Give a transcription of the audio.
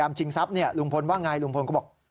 ชิงทรัพย์ลุงพลว่าไงลุงพลก็บอก